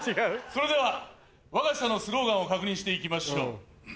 それではわが社のスローガンを確認していきましょう。